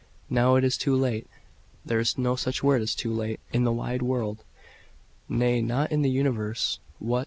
Now it is too late." "There is no such word as 'too late,' in the wide world nay, not in the universe. What!